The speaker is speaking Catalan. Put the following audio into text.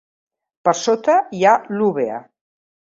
Per sota hi ha l'úvea.